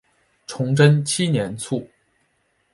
崇祯七年卒。